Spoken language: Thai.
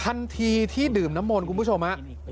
ทันทีที่ดื่มน้ำมนต์คุณผู้ชมฮะ